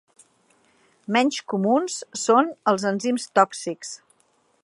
Menys comuns són els enzims tòxics.